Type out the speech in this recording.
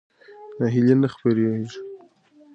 ناهیلي نه خپرېږي.